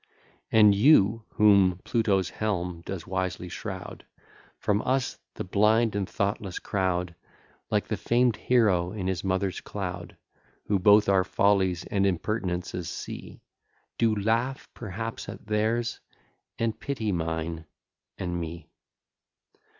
And you, whom Pluto's helm does wisely shroud From us, the blind and thoughtless crowd, Like the famed hero in his mother's cloud, Who both our follies and impertinences see, Do laugh perhaps at theirs, and pity mine and me.